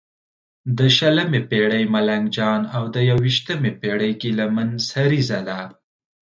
د شلمې پېړۍ ملنګ جان او د یوویشمې پېړې ګیله من سریزه ده.